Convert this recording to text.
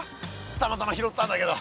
たまたま拾ったんだけど。